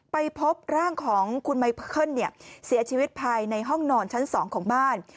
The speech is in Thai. ไปพบร่างของคุณไมเคิลเสียชีวิตภายในห้องนอนชั้น๒ของบ้าน